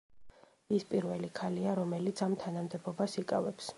ის პირველი ქალია, რომელიც ამ თანამდებობას იკავებს.